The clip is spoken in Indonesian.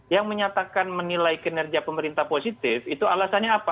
yang menyatakan menilai kinerja pemerintah positif itu alasannya apa